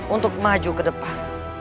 untuk maju ke depan